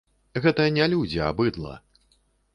Гэта не людзі, а быдла.